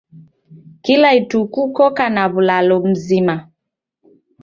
Kila ituku koko na w'ulalo mzima.